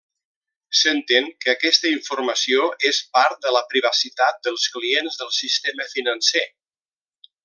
S'entén que aquesta informació és part de la privacitat dels clients del sistema financer.